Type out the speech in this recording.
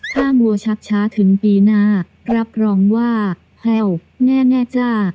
ถ้าวัวชักช้าถึงปีหน้ารับรองว่าแพลวแน่จ้า